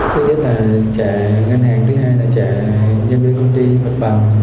thực tiết là trả ngân hàng thứ hai là trả nhân viên công ty vẫn bằng